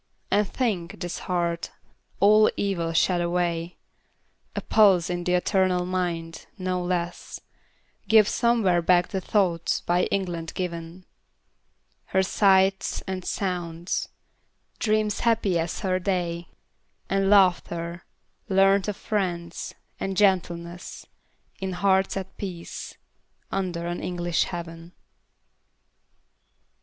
And think, this heart, all evil shed away, A pulse in the eternal mind, no less Gives somewhere back the thoughts by England given; Her sights and sounds; dreams happy as her day; And laughter, learnt of friends; and gentleness, In hearts at peace, under an English heaven.